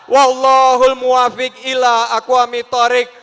wallahul muafiq ila aquami tarik